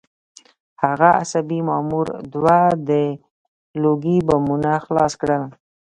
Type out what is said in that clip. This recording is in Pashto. هغه عصبي مامور دوه د لوګي بمونه خلاص کړل